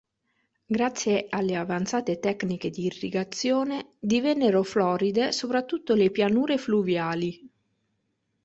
Grazie alle avanzate tecniche di irrigazione, divennero floride soprattutto le pianure fluviali.